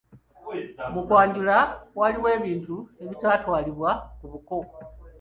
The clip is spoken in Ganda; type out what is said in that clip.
"Mu kwanjula, waliwo ebintu ebitatwalibwa ku buko."